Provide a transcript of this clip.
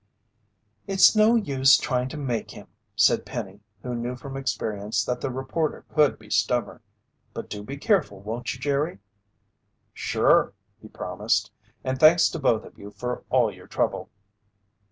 "It's no use trying to make him," said Penny who knew from experience that the reporter could be stubborn. "But do be careful, won't you, Jerry?" "Sure," he promised. "And thanks to both of you for all your trouble!"